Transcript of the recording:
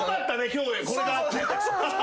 今日これがあって。